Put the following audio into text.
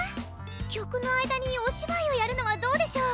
曲の間にお芝居をやるのはどうでしょう？